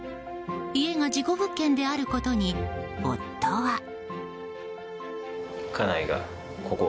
家が事故物件であることに夫は。